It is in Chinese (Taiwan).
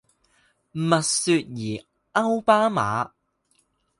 蜜雪兒歐巴馬